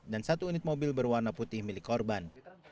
dan satu unit mobil berwarna putih milik korban